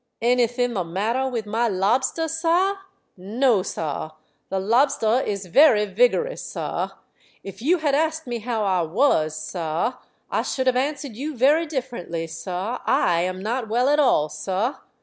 "Anything the matter with my lobster, sah? No, sah. The lobster is very vigorous, sah. If you had asked me how I was, sah, I should have answered you very differently, sah. I am not well at all, sah.